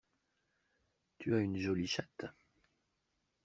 Tu as une jolie chatte!